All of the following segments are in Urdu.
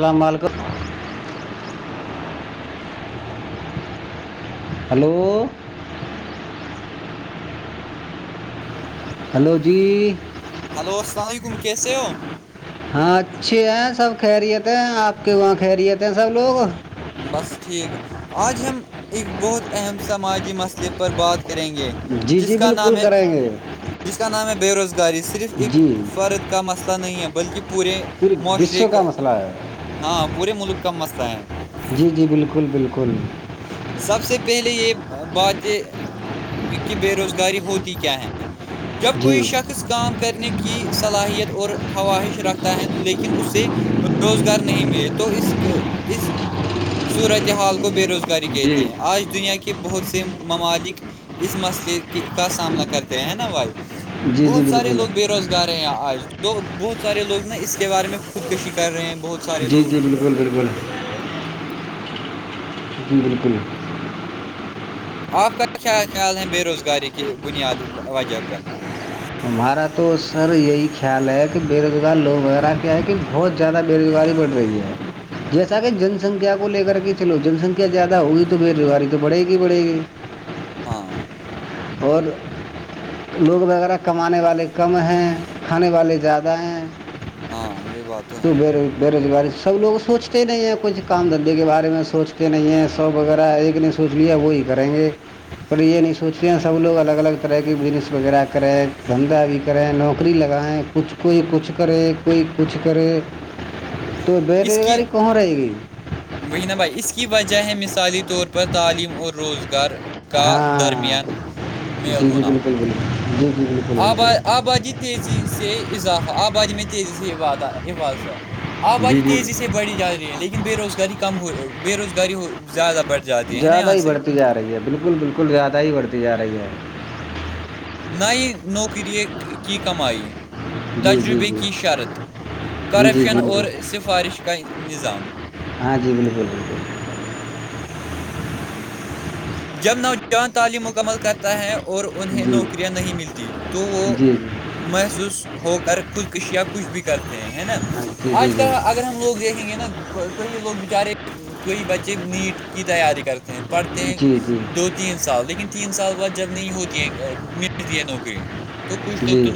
السلام علیکم ہلو ہلو جی ہلو السلام علیکم کیسے ہو ہاں اچھے ہیں سب خہریت ہیں آپ کے وہاں کہرییتے ہیں سب لوگ بس ٹھیک آج ہم ایک بہت اہم سماجی مسئلے پر بات کریں گے جی جس جی کا نام بالکل ہے کریں گے جس کا نام ہے بے روزگاری صرف ایک جی فرد کا مسئلہ نہیں ہے بلکہ پورے پھر معاشرے بسوں کا مسئلہ ہے ہاں پورے ملک کا مسلہ ہے جی جی بالکل بالکل سب سے پہلے یہ بات کہ بے روزگاری ہوتی کیا ہیں جب جی کوئی شخص کام کرنے کی صلاحیت اور خواہش رکھتا ہے لیکن اس سے روزگار نہیں ملے تو اس صورتحال کو بے روزگار کاری جی کہتے ہیں آج دنیا کی کہ بہت سے ممالک اس مسئلے کا سامنا کرتے ہیں نا وائیو جی جی بہت سارے بالکل لوگ بے روزگار آ رہے ہیں آج تو بہت سارے لوگ نا اس کے بارے میں خودکشی کر رہے ہیں بہت سارے جی لوگ جی بالکل بالکل جی بالکل آپ کا کیا خیال ہے بے روزگاری کی بنیادی وجہ پر ہمارا تو سر یہی خیال ہے کہ بے روزگار لوگ وغیرہ کیا ہے کہ بہت زیادہ بےروزگاری بڑھ رہی ہے جیسا کہ جن سنکھیا کو لے کر کے چلو جن سنکھیا زیادہ ہوگی تو بےروزگاری تو بڑھے گی بڑھے گی ہاں اور لوگ وغ کمانے والے کم ہیں کھانے والے زیادہ ہیں ہاں یہ بات تو ہے ب بے روزگاری سب لوگوں سے سوچتے نہیں ہیں کچھ کام دھندے کے بارے میں سوچتے نہیں ہیں ساپ وغیرہ ایک نے سوچ لیا وہی کریں گے پر یہ نہیں سوچتے ہیں سب لوگ الگ الگ طرح کے بزنس وغیرہ کریں دھندہ بھی کریں نوکری لگائیں کچھ کوئی کچھ کرے کوئی کچھ کرے تو بےیروزگاری کہاں رہے گی وہ نہہ بھائی اس کی وجہ ہے مثالی طور پر تعلیم اور روزگار کا ہاں درمیان جی جی بالکل بالکل جی جی جال آب آبادی تیزی سے اضافہ آبادی میں تیزی سےباد عبادثہ آب جی باداری جی تیزی سے بڑھی جا رہی ہے لیکن بے روزگاری کم ہو بے روزگاری ہو زیادہ بڑھ رہ زیادہ ہی بڑھتی جا رہی ہے بالکل بالکل زیادہ ہی بڑھتی جا رہی ہے نہ ہی نوکری کی کمائی جی جی تجربے جی کی شرط جی جی کرپشن بالکل اور سفارش کا نظام ہاں جی بالکل بالکل جب نوجوان تعلیم مکمل کرتا ہے اور انہیں جی نوکریاں نہیں ملتی تو وہ جی محسوس ہو کر خود کشیاں کچھ بھی کرتے ہیں ہے نا جی جی آج کل اگر اگر ہم لوگ دیکھیں گے نا کئی لوگ بیچارے کوئی بچے نیٹ کی تیاری کرتے ہیں پڑھتے ہیں جی جی جی دو تین سال لیکن تین سال بعد جب نہیں ہوتی ہے ملتی ہے نوکری تو کچھ لوگ جی تو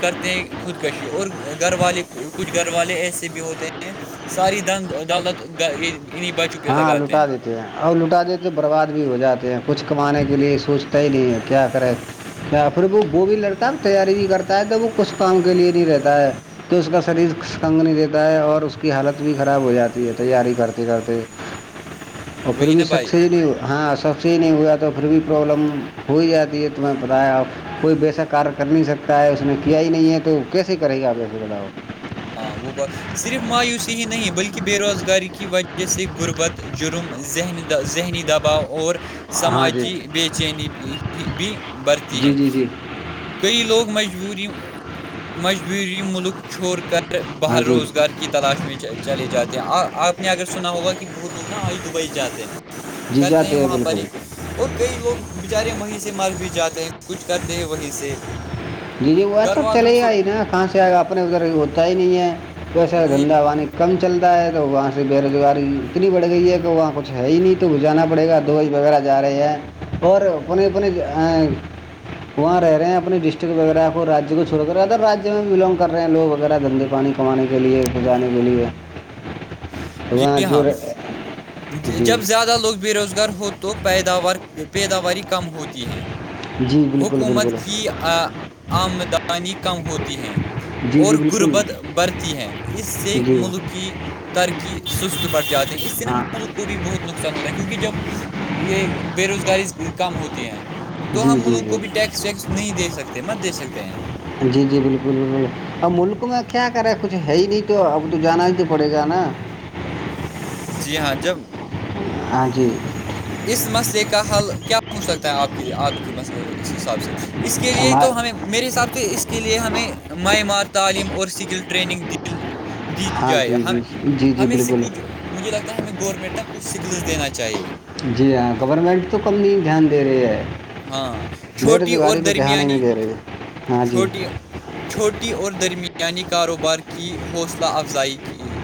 کرتے ہیں خودکشی اور گھر والے کچھ گھر والے ایسے بھی ہوتے ہیں ساری دند عدالت عع بچ ہاں لوٹا دیتے اور لٹا دیتے ہیں برباد بھی ہو جاتے ہیں کچھ کمانے کے لیے سوچتا ہی نہیں ہے کیا کریں پھر وہ وہ بھی لڑتا ہے تیاری بھی کرتا ہے تو وہ کچھ کام کے لیے نہیں رہتا ہے کہ اس کا شریر کنگ نہیں دیتا ہے اور اس کی حالت بھی خراب ہو جاتی ہے تیاری کرتے کرتے اور پھر وہی بھی نا بھائی سکص ہی نہیں ہاںب اس سے ہی نہیں ہوا تو پھر بھی پرابلم ہو ہی جاتی ہے تو میں نے بتایا آپ کوئی بیسا کار کر نہیں سکتا ہے اس نے کیا ہی نہیں ہے تو کیسے کرے گا آپ ایسے بتاؤ ہاں وہ بات صرف مایوسی ہی نہیں بلکہ بے روزگاری کی وجہ سے غربت جرم ذہنی ذہنی دباؤ اور ہاں جی سماجی بے چینی بھی بڑھتی جی ہے جی جی کئی لوگ مجبوری مجبوری ملک چھور کر بہ ہاں جی روزگار کی تلاش میں چلے جاتے ہیں اور آپ نے اگر سنا ہوگا کہ بہت لوگ نا آج دبئی جاتے ہیں جی کرتے ہیں جاتے وہاں پر ہی بالکل کچھ اور کئی لوگ بیچارے وہیں سے مر بھی جاتے ہیں کچھ کرتے ہیں وہیں سے جی جی گھر ویسا والوں چلے سے گا ہی نا کہاں سے آ اپنے ادھر ہوتا ہی نہیں ہے ویسے وہی دھندا وانی کم چلتا ہے تو وہاں سے بےروزگاری اتنی بڑھ گئی ہے کہ وہاں کچھ ہے ہی نہیں تو وہ جانا پڑے گا دوج وغیرہ جا رہے ہیں اور اپنے اپنے وہاں رہ رہے ہیں اپنے ڈسٹ وغیرہ کوج کو چوڑ کر ادرایہ میں بلگ کر رہ ہیں لو وغیرہ دندے پانی کمان کے کے لیے پ جانے کے لیے وہاں جی جو ہاں ر... جی جب زیادہ لوگ بے روزگار ہوتے تو پیداوار پیداواری کم ہوتی ہے جی بالکل حکومت بالکل کی آمدانی کم ہوتی ہے جی اور جی بالکل غربت برتی ہے اس سے جی ملک کی ترقی سست پڑ جاتی ہیں اس ط لیح ہاں ملک کو بھی بہت نقصان ہوتا ہے کیونکہ جب یہ بے روزگاری کم ہوتی ہیں تو جی ہم جی ملک جی کو بھی ٹیکسیکس نہیں دے سکتے مت دے سکتے ہیں جی جی بالکل بالکل اب ملک میں کیا کریں کچھ ہے ہی نہیں تو اب تو جانا ہی تو پڑے گا نا جی ہاں جب ہاں جی اس مسئلے کا حل کیا ہو سکتا ہے آپ کے آپ کی اس حساب سے اس کے لیے ہمار تو ہمیں میرے حساب سے اس کے لیے ہمیں معمار تعلیم اور سکل ٹریننگ دل دی ہاں جائے جی ہم جی جی جی ہمیں سے بالکل کچھ مجھے لگتا ہے ہمیں گورنمنٹ نہ کچھ سکلس دینا چاہیے جی ہاں گورنمنٹ تو کم نہیں دھیان دے رہی ہے ہاں بے چھوٹی اور روزگاری پہ دھیان ہی درمیانی نہیں دے رہی ہے ہاں جی چھوٹی چھوٹی اور درمیانی کاروبار کی حوصلہ افزائی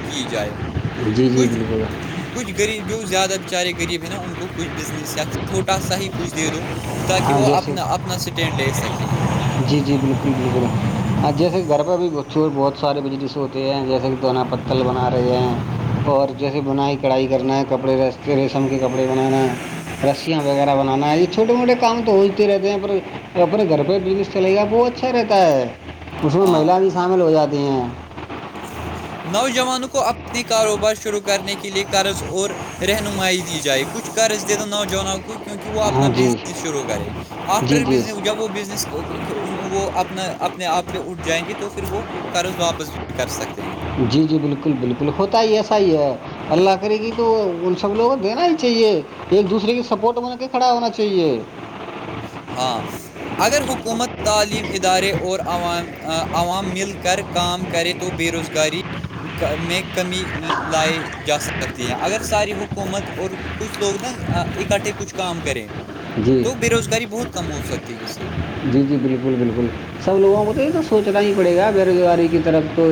کی جائے جی جی کچھ بالکل کچھ غریب جو زیادہ بےچارے غریب ہیں نا ان کو کچھ بزنس یا چھوٹا سا ہی کچھ دے دو تاکہ ہاں وہ جیسے اپنا اپنا اسٹینڈ لے سکیں جی جی بالکل بالکل ہ جیسے گھر پہ بھی بچھور بہت سارے بجلی سے ہوتے ہیں جیسے کہ دونا پتل بنا رہے ہیں اور جیسے بنائی کڑھائی کرنا ہے کپڑے ریس ریشم کے کپڑے بنانا ہے رسیاں وغیرہ بنانا ہے یہ چھوٹے موٹے کام تو ہوجتے رہتے ہیں پر اپنے گھر پہ بزنس چلے گا وہ اچھا رہتا ہے اس میں ہاں مہیلا بھی شامل ہو جاتی ہیں نوجوانوں کو اپنے کاروبار شروع کرنے کے لیے قرض اور رہنمائی دی جائے کچھ قرض دے دو نوجوانوں کو کیونکہ وہ اپنا ہاں جی بزنس شروع کرے جی آفٹر جی بزنس جب وہ بزنس وہ اپنا اپنے آپ پہ اٹھ جائیں گے تو پھر وہ قرض واپس بھی کر سکتے ہیں جی جی بالکل بالکل ہوتا ہی ایسا ہی ہے اللہ کرے گی تو ان سب لوگوں کو دینا ہی چاہیے ایک دوسرے کی سپورٹ میںنے کے کھڑا ہونا چاہیے ہاں اگر حکومت تعلیم ادارے اور عوام عوام مل کر کام کرے تو بے روزگاری میں کمی لائی جا سکتی ہے اگر ساری حکومت اور کچھ لوگ نا اکٹھے کچھ کام کریں جی تو بے روزگاری بہت کم ہو سکتی ہیں اس سے جی جی بالکل بالکل سب لوگوں کو تو یہ تو سوچنا ہی پڑے گا بے روزگاری کی طرف تو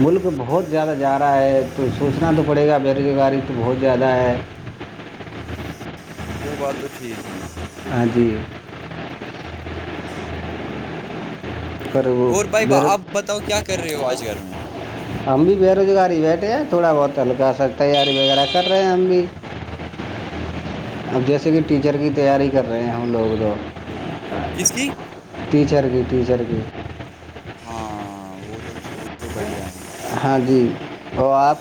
ملک بہت زیادہ جا رہا ہے تو سوچنا تو پڑے گا بےروزگاری تو بہت زیادہ ہے وہ بات تو ٹھیک ہے ہاں جی پر وہ اور بھائی ب بے روز آپ بتاؤ کیا کر رہے ہو آج گھر میں ہم بھی بے روزگاری بیٹھے ہیں تھوڑا بہت ہلکا سا تیاری وغیرہ کر رہے ہیں ہم بھی [unintelligible] اب جیسے کہ ٹیچر کی تیاری کر رہے ہیں ہم لوگ جو کس کی ٹیچر کی ٹیچر کی ہاں وہ تو وہ تو بڑھیا ہے ہاں جی تو آپ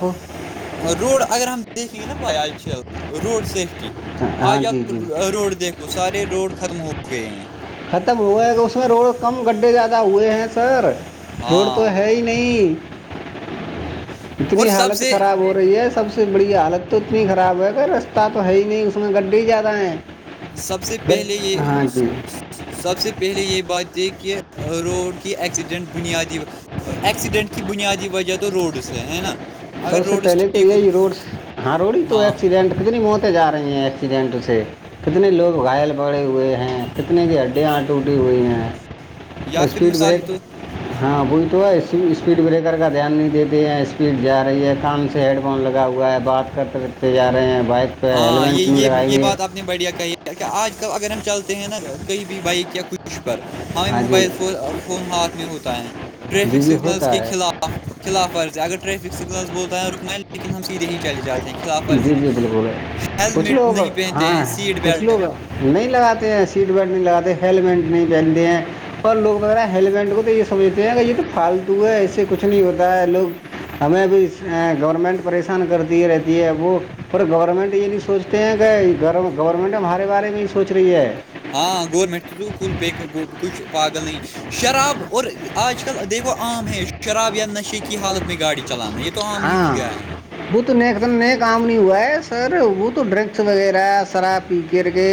روڈ اگر ہم دیکھیں گے نا روڈ سیفٹی ج ہاں آج جی آپ جی روڈ دیکھو سارے روڈ ختم ہو گئے ہیں ختم ہوئے کہ اس میں روڈ کم گڈھے زیادہ ہوئے ہیں سر روڈ تو ہاں ہے ہی نہیں نہیں اور اتنی سب حالت سے خراب ہو رہی ہے سب سے اس سے بڑی حالت تو اتنی خراب ہے کہ رستہ تو ہے ہی نہیں اس میں گڈی زیادہ ہیں سب سے گ پہلے یہ ہاں جی سب سے پہلے یہ بات تھی کہ روڈ کی ایکسیڈنٹ بنیادی ایکسیڈنٹ کی بنیادی وجہ تو روڈس ہے نا سب اگر سے روڈز پہلے تو ٹھیک ہو یہی روڈ ہاں روڈی تو ہاں ایکسیڈنٹ کت نہیں موت جا رہی ہیں ایکسیڈنٹ سے کتنے لوگ گھائل پڑھے ہوئے ہیں کتنے کی اڈیا آ ٹوٹی ہوئی ہیں یا پھر اسپیڈ مثال بریک ہی تو ہاں وہی تو اسپیڈ بریکر کا دھیان نہیں دیتے ہیں اسپیڈ جا رہی ہے کان سے ہیڈ فون لگا ہوا ہے بات کرتے رکھتے جا رہے ہیں بائک پہ ہاں ہیلمٹ بھی یہ نہیں یہ لگائیں یہ گے بات آپ بڑھیا کہیں کیا آج کل اگر ہم چلتے ہیں نا کہیں بھی بائک یا کچھ مش پر ہمیں ہاں جی موبائل فون ہاتھ میں ہوتا ہے جی ٹریفک جی سگنلس ہوتا کے ہے خلاف خلاف ورز ہے اگر ٹریفک سگنلس بولتا ہے رکن لیکن ہم سیدھے ہی چل جاتے ہیں خلاف ورزی جی جی کے بالکل پچھ ہیلمٹ لو ب نہیں پہنتے ہیں ہاں سیٹ پچھ بیلٹ لو گا نہیں لگاتے ہیں سیٹ بیلٹ نہیں لگاتے ہیلمٹ نہیں پہنتے ہیں اور لوگ وغیرہ ہیلمنٹ کو تو یہ سمجھتے ہیں کہ یہ تو فالتو ہے اس سے کچھ نہیں ہوتا ہے لوگ ہمیں بھی گورنمنٹ پریشان کرتی ہے رہتی یہ وہ پر گورنمنٹ یہ نہیں سوچتے ہیں کہ گورنمنٹ ہمارے بارے میں ہی سوچ رہی ہے ہاں گورنمنٹ تول ب کچھ پاگل نہیں ہے شراب اور آج کل دیکھو عام ہے شراب یا نشے کی حالت میں گاڑی چلانا یہ تو عام ہی ہو ہاں گیا ہے وہ تو نیکت نئے کام نہیں ہوا ہے سر وہ تو ڈرگس وغیرہ شراب پی کر کے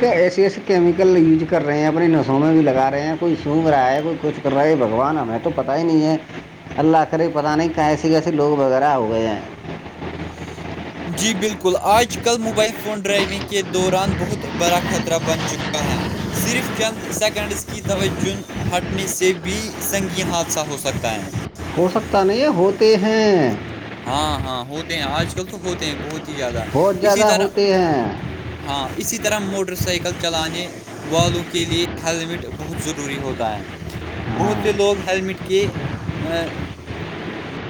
کیا ایسے ایسے کیمیکل یوز کر رہے ہیں اپنے نسو میں بھی لگا رہے ہیں کوئی سونب رہا ہے کوئی کچھ رہے بھگوان ہمیں تو پتا ہی نہیں ہے اللہ کرے پتا نہیں کہ ایسی گس ایے لوگ وغیرہ ہو گئے ہیں جی بالکل آج کل موبائل فون ڈرائیونگ کے دوران بہت بڑا خطرہ بن چکا ہے صرف چند سیکنڈز کی تووجن ہٹنے سے بھی سنگین حادثہ ہو سکتا ہے ہو سکتا نہیں ہے ہوتے ہیں ہاں ہاں ہوتے ہیں آج کل تو ہوتے ہیں بہت ہی زیادہ بہت زیادہ اسی طرح ہوتے ہیں ہاں اسی طرح موٹر سائیکل چلانے والوں کے لیے ہیلمٹ بہت ضروری ہوتا ہے بہت سے ہاں لوگ ہیللمٹ کے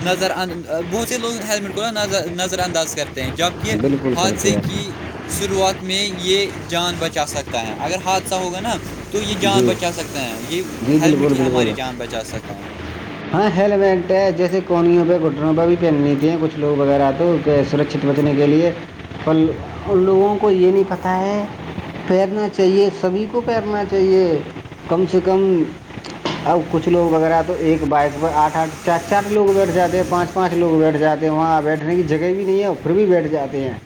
نظر اند بہت سے لوگ ہیلمٹ کو ن نظر انداز کرتے ہیں جب کہہ بالکل حادثے کرتے کی شروعات میں یہ جان بچا سکتا ہے اگر حادثہ ہوگا نا تو یہ ہیں جان جی بچا سکتے ہیں یہ جی ہیلمٹ بالکل ہی ہماری بالکل جان بچا سکتا ہیں ہاں ہیلمٹ ہے جیسے کونیوں پہ گٹنوں پہ بھی پہن لیتی ہیں کچھ لوگ وغیرہ تو کے سرکچھت بچنے کے لیے ان لوگوں کو یہ نہیں پتا ہے پیرنا چاہیے سبھی کو پیرنا چاہے سے یہ کم سے کم اب کچھ لوگ وغیرہ تو ایک بائک پر آٹھ آٹھ چ چار لوگ بیٹھ جاتے پانچ پانچ لوگ بیٹھ جاتے ہیں وہاں بیٹھنے کی جگہ بھی نہیں ہے پھر بھی بیٹھ جاتے ہیں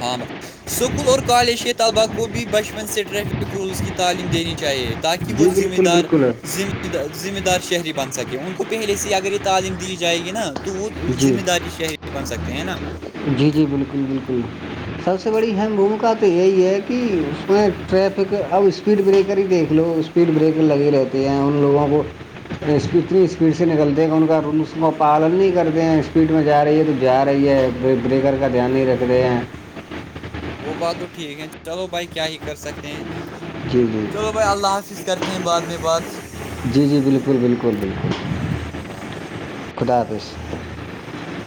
ہاں میں اسکول اور کالج کے طلباء کو بھی بچپن سے ٹریفک رولز کی تعلیم دینی چاہیے تاکہ وہ جی ذمہ بالکل دار بالکل ذمہ ذمہ دار شہری بن سکے ان کو پہلے سے اگر یہ تعلیم دی جائے گی نا تو وہ جی ذمہ داری شہری بن سکتے ہیں نا جی جی بالکل بالکل سب سے بڑی اہم بھوومکا تو یہی ہے کہ اس میں ٹریفک اب اسپیڈ بریکر ہی دیکھ لو اس اسپیڈ بریک لگی رہتی ہیں ان لوگوں کو اس اتنی اسپیڈ سے نکلتے گ ان کا رسم پالن نہیں کرتے اسپیڈ میں جا رہی ہے تو جا رہی ہے بریکر کا دھیان نہیں رکھتے ہیں وہ بات تو ٹھیک ہے چلو بھائی کیا ہی کر سکتے ہیں جی جی چلو بھائی اللہ حافظ کرتے ہیں بعد میں بات جی جی بالکل بالکل بالکل اللہ خدا حافظ خدا